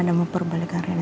dan memperbaikkan rina